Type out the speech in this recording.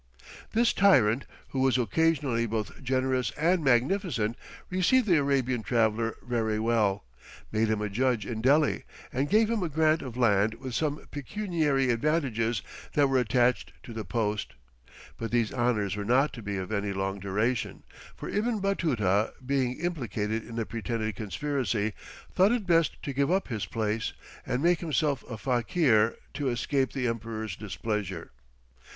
This tyrant, who was occasionally both generous and magnificent, received the Arabian traveller very well, made him a judge in Delhi, and gave him a grant of land with some pecuniary advantages that were attached to the post, but these honours were not to be of any long duration, for Ibn Batuta being implicated in a pretended conspiracy, thought it best to give up his place, and make himself a fakir to escape the Emperor's displeasure.